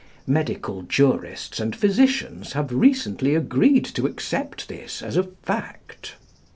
Medical jurists and physicians have recently agreed to accept this as a fact.